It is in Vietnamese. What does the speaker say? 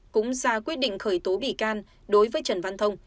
cũng ra quyết định khởi tố bị can đối với trần văn thông